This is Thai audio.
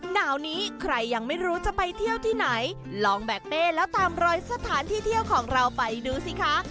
หนาวนี้ใครยังไม่รู้จะไปเที่ยวที่ไหนลองแบกเป้แล้วตามรอยสถานที่เที่ยวของเราไปดูสิคะ